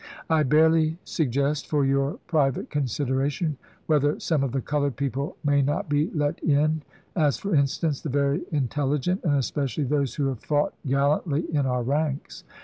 I barely suggest, for your pri vate consideration, whether some of the colored people may not be let in, as, for instance, the very intelligent, and especially those who have fought gallantly in our ranks.